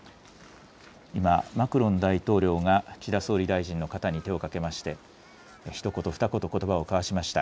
今、マクロン大統領が岸田総理大臣の肩に手をかけましてひと言ふた言、ことばを交わしました。